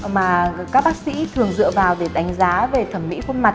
mà các bác sĩ thường dựa vào để đánh giá về thẩm mỹ khuôn mặt